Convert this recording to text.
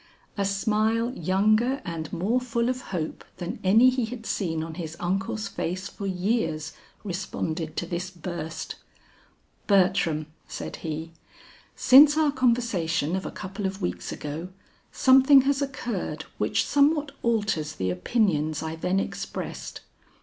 A smile younger and more full of hope than any he had seen on his uncle's face for years, responded to this burst. "Bertram," said he, "since our conversation of a couple of weeks ago something has occurred which somewhat alters the opinions I then expressed.